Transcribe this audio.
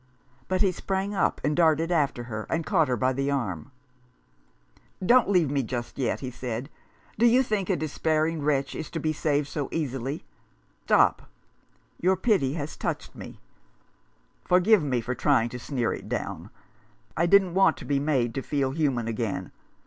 But he sprang up, and darted after her, and caught her by the arm. " Don't leave me just yet !" he said. " Do you think a despairing wretch is to be saved so easily ? 27 Rough Justice. Stop ! Your pity has touched me. Forgive me for trying to sneer it down. I didn't want to be made to feel human again.